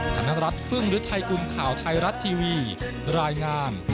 ธนรัฐเฮืองหรือไทยกุลข่าวไทรัฐทีวีรายงาน